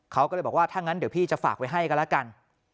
เขาก็เลยบอกว่าถ้างั้นเดี๋ยวพี่จะฝากไว้ให้กันแล้วกัน